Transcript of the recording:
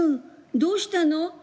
どうしたの？